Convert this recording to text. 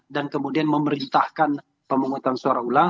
dan kemudian memerintahkan pemungutan suara ulang